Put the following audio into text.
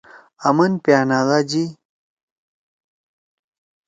آمن پیانادا جی۔